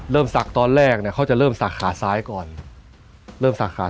ศักดิ์ตอนแรกเนี่ยเขาจะเริ่มสักขาซ้ายก่อนเริ่มสักขา